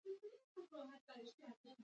پښتون ژغورنې غورځنګ د پښتنو د حق غوښتنه کوي.